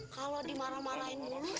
kalau dimarah marahin dulu